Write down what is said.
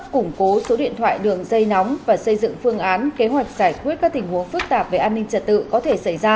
củng cố số điện thoại đường dây nóng và xây dựng phương án kế hoạch giải quyết các tình huống phức tạp về an ninh trật tự có thể xảy ra